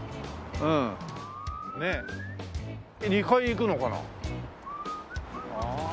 ２階行くのかな？